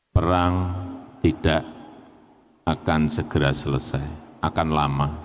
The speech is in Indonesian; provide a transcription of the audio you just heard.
perang tidak akan segera selesai akan lama